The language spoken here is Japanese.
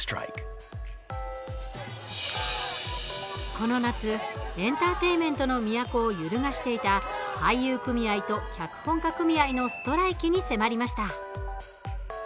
この夏エンターテインメントの都を揺るがしていた俳優組合と脚本家組合のストライキに迫りました。